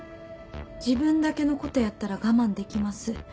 自分だけの事やったら我慢できます。